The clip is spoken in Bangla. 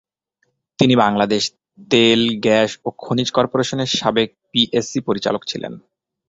তিনি বাংলাদেশ তেল, গ্যাস ও খনিজ কর্পোরেশনের সাবেক পিএসসি পরিচালক ছিলেন।